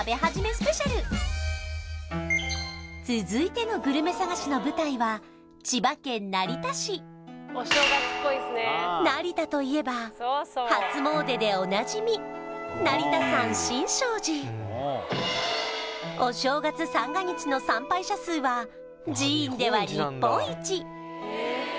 続いてのグルメ探しの舞台は成田といえば初詣でおなじみお正月三が日の参拝者数は寺院では日本一！